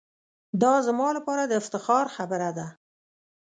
دا زما لپاره دافتخار خبره ده.